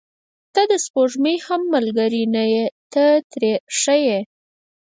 • ته د سپوږمۍ هم ملګرې نه یې، ته ترې ښه یې.